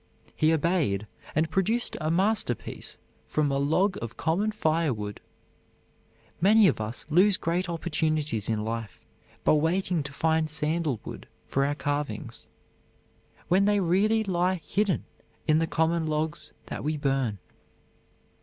He obeyed, and produced a masterpiece from a log of common firewood. Many of us lose great opportunities in life by waiting to find sandalwood for our carvings, when they really lie hidden in the common logs that we burn.